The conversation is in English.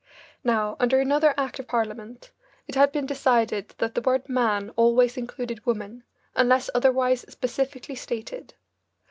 Now, under another act of Parliament it had been decided that the word "man" always included "woman" unless otherwise specifically stated.